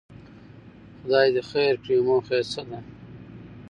خدای خیر کړي، موخه یې څه ده.